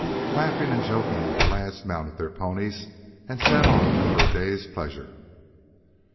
Laughing and joking, the lads mounted their ponies and set off for a day's pleasure.